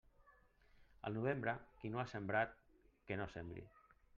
Al novembre, qui no ha sembrat, que no sembre.